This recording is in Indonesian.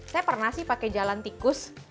saya pernah sih pakai jalan tikus